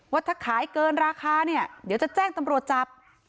ว่าถ้าขายเกินราคาเนี่ยเดี๋ยวจะแจ้งตำรวจจับ